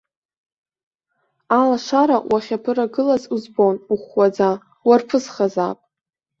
Алашара уахьаԥырагылаз узбон, ухәхәаӡа, уарԥысхазаап.